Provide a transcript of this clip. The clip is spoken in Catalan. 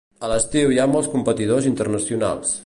A l'estiu hi ha molts competidors internacionals.